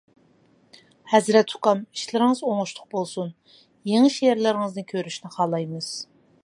ھەزرەت ئۇكام ئىشلىرىڭىز ئوڭۇشلۇق بولسۇن، يېڭى شېئىرلىرىڭىزنى كۆرۈشنى خالايمىز.